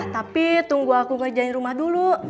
tapi tunggu aku ngerjain rumah dulu